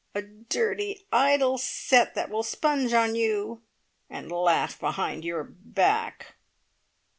A dirty, idle set that will sponge on you, and laugh behind your back!"